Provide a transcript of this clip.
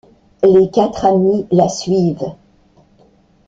Les quatre amies la suivent.